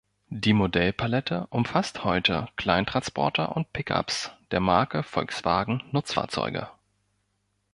Die Modellpalette umfasst heute Kleintransporter und Pick-ups der Marke Volkswagen Nutzfahrzeuge.